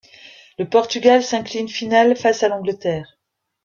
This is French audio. Le Portugal s'incline finale face à l'Angleterre.